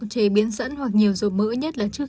chế biến sẵn hoặc nhiều dầu mỡ nhất là trước